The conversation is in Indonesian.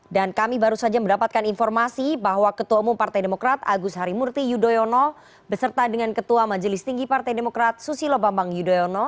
dan kami baru saja mendapatkan informasi bahwa ketua umum partai demokrat agus harimurti yudhoyono beserta dengan ketua majelis tinggi partai demokrat susilo bambang yudhoyono